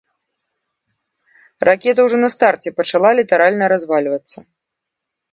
Ракета ўжо на старце пачала літаральна развальвацца.